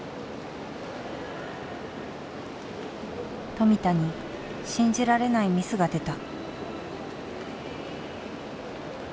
富田に信じられないミスが出た。